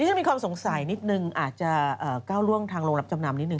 ฉันมีความสงสัยนิดนึงอาจจะก้าวล่วงทางโรงรับจำนำนิดนึ